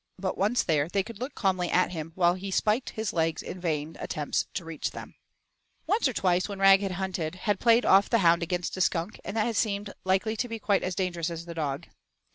But once there they could look calmly at him while he spiked his legs in vain attempts to reach them. Once or twice Rag when hunted had played off the hound against a skunk that had seemed likely to be quite as dangerous as the dog.